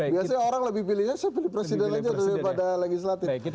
biasanya orang lebih pilihnya saya pilih presiden aja daripada legislatif